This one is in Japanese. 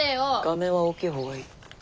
画面は大きい方がいい。